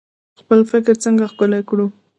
خپل فکر څنګه ښکلی کړو؟